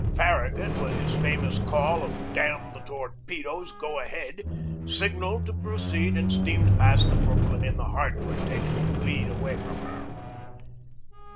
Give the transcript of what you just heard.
Farra gut, with his famous call of "Damn the torpedoes! Go ahead!" signalled to proceed and steamed past the Brooklyn in the Hartford, taking the lead away from her.